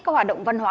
các hoạt động văn hóa